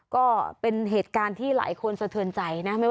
ก็เป็นเหตุการณ์ที่หลายคนสะเทินใจนะ